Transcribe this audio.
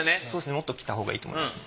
もっと着たほうがいいと思いますね。